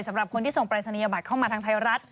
สำหรับคนที่ส่งปรายศนียบัตรเข้ามาทางไทยรัฐ